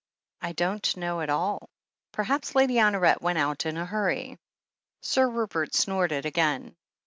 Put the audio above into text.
"I don't know at all. Perhaps Lady Honoret went out in a hurry." Sir Rupert snorted again.